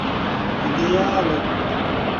idealo